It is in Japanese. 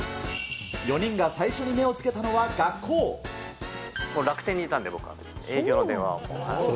４人が最初に目をつけたのは楽天にいたんで、僕、営業の電話を。